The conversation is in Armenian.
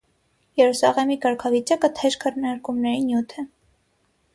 Երուսաղեմի կարգավիճակը թեժ քննարկումների նյութ է։